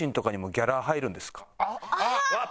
あっ！